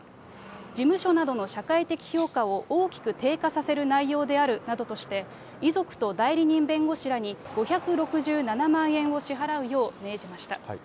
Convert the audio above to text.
事務所などの社会的評価を大きく低下させる内容であるなどとして、遺族と代理人弁護士らに５６７万円を支払うよう命じました。